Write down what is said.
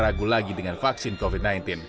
ragu lagi dengan vaksin covid sembilan belas